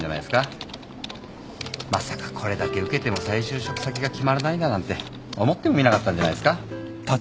まさかこれだけ受けても再就職先が決まらないだなんて思ってもみなかったんじゃないすか？